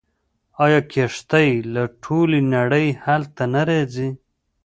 آیا کښتۍ له ټولې نړۍ هلته نه راځي؟